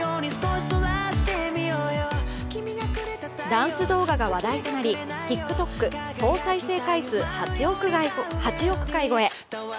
ダンス動画が話題となりＴｉｋＴｏｋ総再生回数、８億回超え。